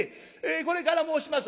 これから申します